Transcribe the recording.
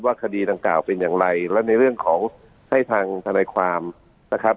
คดีดังกล่าวเป็นอย่างไรและในเรื่องของให้ทางทนายความนะครับ